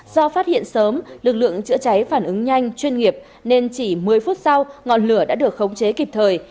do phát hiện sớm lực lượng chữa cháy phản ứng nhanh chuyên nghiệp nên chỉ một mươi phút sau ngọn lửa đã được khống chế kịp thời